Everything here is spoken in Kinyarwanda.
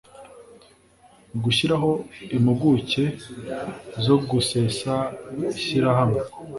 gushyiraho impuguke zo gusesa ishyirahamwe